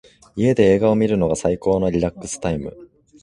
家で映画を観るのが最高のリラックスタイム。